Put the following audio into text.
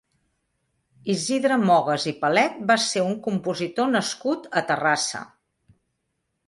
Isidre Mogas i Palet va ser un compositor nascut a Terrassa.